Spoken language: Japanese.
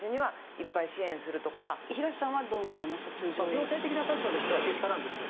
行政的な立場としてはけしからんですよ。